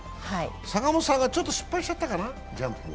坂本さんがちょっとジャンプを失敗しちゃったかな。